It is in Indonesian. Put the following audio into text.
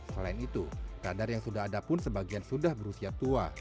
selain itu kadar yang sudah ada pun sebagian sudah berusia tua